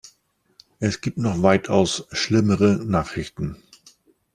Es gibt noch weitaus schlimmere Nachrichten.